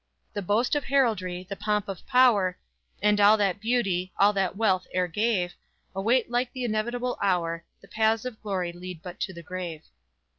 "_The boast of heraldry, the pomp of power, And all that beauty, all that wealth ere gave, Await alike the inevitable hour The paths of glory lead but to the grave."